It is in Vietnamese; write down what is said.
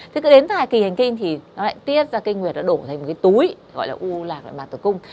thế cứ đến giai kỳ hành kinh thì nó lại tiết ra cái nguyệt nó đổ thành một cái túi gọi là u lạc nội mạc tử cung